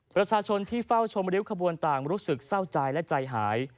ประชาชนที่เฝ้าชมริ้วขบวนต่างรู้สึกเศร้าใจและใจหาย